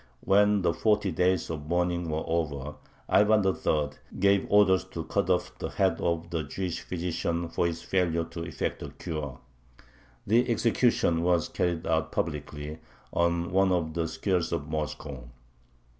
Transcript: When the forty days of mourning were over, Ivan III. gave orders to cut off the head of the Jewish physician for his failure to effect a cure. The execution was carried out publicly, on one of the squares of Moscow.